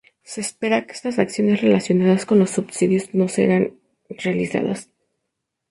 Se espera que estas acciones relacionadas con los subsidios no serán realizadas.